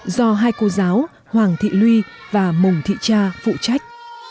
do hai cô giáo hoàng thị luy và mùng thị cha phụ trách